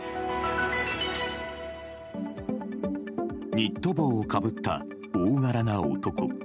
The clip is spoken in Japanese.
ニット帽をかぶった大柄な男。